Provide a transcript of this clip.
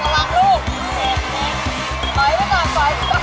ไฟไปก่อนไฟไปก่อน